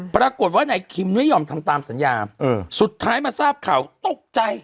ปรากฏว่านายคิมไม่ยอมทำตามสัญญาสุดท้ายมาทราบข่าวตกใจ